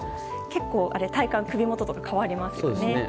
結構、体感、首元とか変わりますよね。